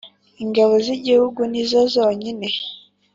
ingabo z'igihugu nizo zonyine,